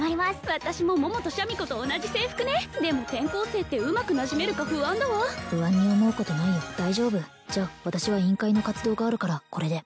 私も桃とシャミ子と同じ制服ねでも転校生ってうまくなじめるか不安だわ不安に思うことないよ大丈夫じゃ委員会活動があるからこれで